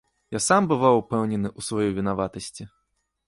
Я сам бываў упэўнены ў сваёй вінаватасці.